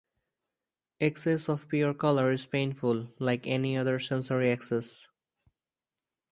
Excess of pure colour is painful, like any other sensory excess.